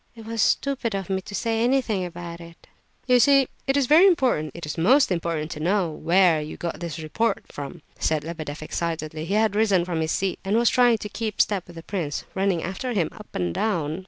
It was stupid of me to say anything about it." "You see, it is very important, it is most important to know where you got this report from," said Lebedeff, excitedly. He had risen from his seat, and was trying to keep step with the prince, running after him, up and down.